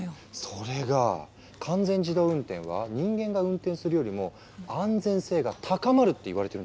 それが完全自動運転は人間が運転するよりも安全性が高まるっていわれてるんです。